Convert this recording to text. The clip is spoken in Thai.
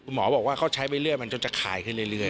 หมอบอกว่าเขาใช้ไปเรื่อยมันจะขายขึ้นเรื่อย